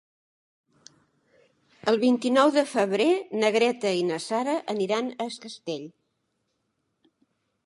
El vint-i-nou de febrer na Greta i na Sara aniran a Es Castell.